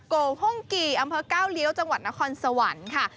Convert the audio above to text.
โกห้งกี่อำเภอก้าวเลี้ยวจังหวัดนครสวรรค์ค่ะ